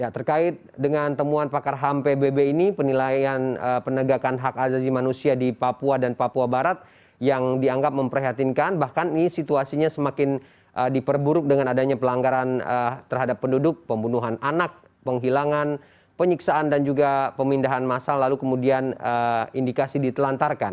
terkait dengan temuan pakar ham pbb ini penilaian penegakan hak azazi manusia di papua dan papua barat yang dianggap memprihatinkan bahkan ini situasinya semakin diperburuk dengan adanya pelanggaran terhadap penduduk pembunuhan anak penghilangan penyiksaan dan juga pemindahan masal lalu kemudian indikasi ditelantarkan